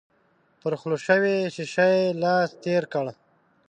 پر خوله شوې ښيښه يې لاس تېر کړ.